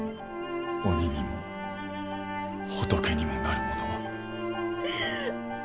鬼にも仏にもなる者は。